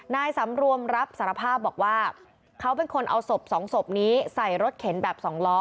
นายสำรวมรับสารภาพบอกว่าเขาเป็นคนเอาศพสองศพนี้ใส่รถเข็นแบบสองล้อ